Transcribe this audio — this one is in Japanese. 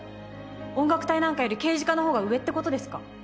音楽隊なんかより刑事課の方が上ってことですか？